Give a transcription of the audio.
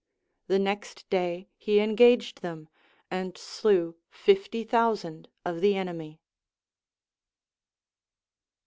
The next day he engaged them, and slew fifty thousand of the enemy.